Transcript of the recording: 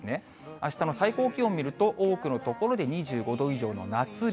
あしたの最高気温見ると、多くの所で２５度以上の夏日。